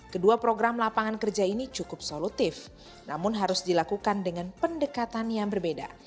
kedua program lapangan kerja ini cukup solutif namun harus dilakukan dengan pendekatan yang berbeda